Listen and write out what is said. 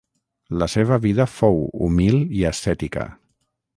La seva vida fou humil i ascètica.